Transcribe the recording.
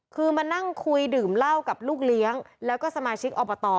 คือมานั่งคุยดื่มเหล้ากับลูกเลี้ยงแล้วก็สมาชิกอบต